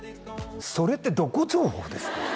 それってどこ情報ですか？